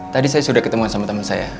tadi saya sudah ketemu sama teman saya